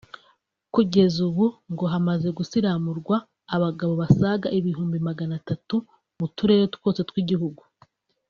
Kugeza ubu ngo hamaze gusiramurwa abagabo basaga ibihumbi magana atatu mu turere twose tw’igihugu